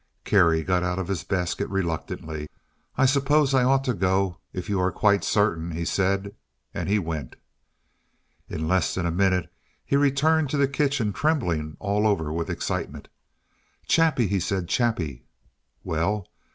Kerry got out of his basket reluctantly. "I suppose I ought to go, if you are quite certain," he said; and he went. In less than a minute he returned to the kitchen, trembling all over with excitement. "Chappie!" he said; "Chappie!" "Well?"